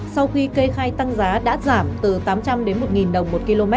sau khi kê khai tăng giá đã giảm từ tám trăm linh đến một đồng một km